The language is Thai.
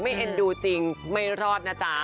เอ็นดูจริงไม่รอดนะจ๊ะ